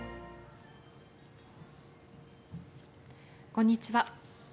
こんにちは。